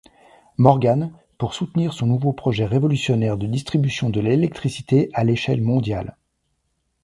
Morgan, pour soutenir son nouveau projet révolutionnaire de distribution de l'électricité à l'échelle mondiale.